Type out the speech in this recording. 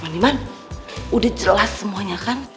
mang liman udah jelas semuanya kan